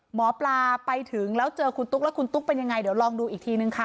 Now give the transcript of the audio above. หมอปลาไปถึงแล้วเจอคุณตุ๊กแล้วคุณตุ๊กเป็นยังไงเดี๋ยวลองดูอีกทีนึงค่ะ